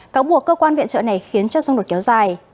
cáo buộc cơ quan viện trợ này khiến cho xung đột kéo dài